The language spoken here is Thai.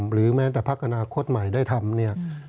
หรือแม้แต่พักอนาคตใหม่ได้ทำเนี่ย